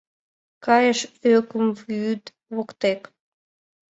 Кайыш ӧкым вӱд воктек.